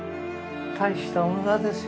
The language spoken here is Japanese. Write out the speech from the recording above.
大した女ですよ